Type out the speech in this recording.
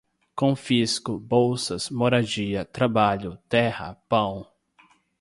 Confisco, bolsas, moradia, trabalho, terra, pão